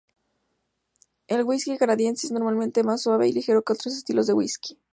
El "whisky" canadiense es normalmente más suave y ligero que otros estilos de "whisky".